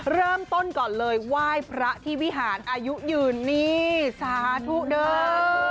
เริ่มต้นก่อนเลยไหว้พระที่วิหารอายุยืนนี่สาธุเดิม